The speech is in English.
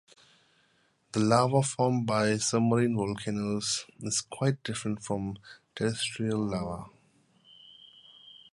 The lava formed by submarine volcanoes is quite different from terrestrial lava.